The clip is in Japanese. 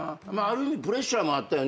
プレッシャーもあったよね